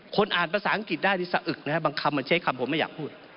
อ่านภาษาอังกฤษได้นี่สะอึกนะครับบางคำมันใช้คำผมไม่อยากพูด